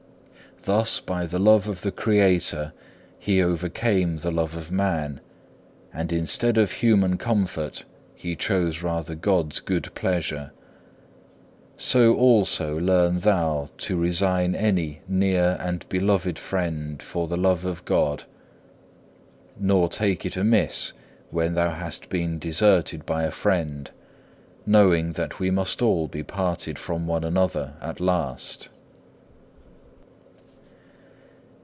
Thus by the love of the Creator he overcame the love of man, and instead of human comfort he chose rather God's good pleasure. So also learn thou to resign any near and beloved friend for the love of God. Nor take it amiss when thou hast been deserted by a friend, knowing that we must all be parted from one another at last.